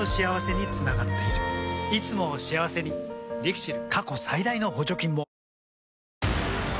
いつもを幸せにＬＩＸＩＬ。